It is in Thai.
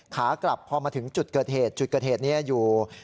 ขากลับพอมาถึงจุดเกิดเหตุจุดเกิดเหตุนี้อยู่